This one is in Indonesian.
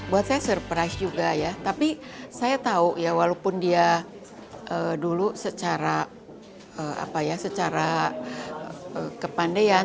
buat saya surprise juga ya tapi saya tahu ya walaupun dia dulu secara kepandaian